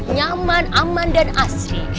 nyaman aman dan asri